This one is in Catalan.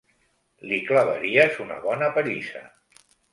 Li clavaries una bona pallissa.